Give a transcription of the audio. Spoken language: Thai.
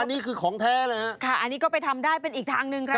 อันนี้คือของแท้เลยฮะค่ะอันนี้ก็ไปทำได้เป็นอีกทางหนึ่งครับ